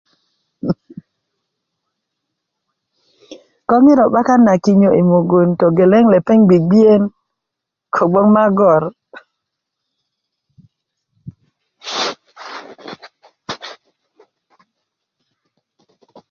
ko ŋiro 'bakan na kinyo yi mugun togeleŋ lopeŋ gbigbiyen kogboŋ magor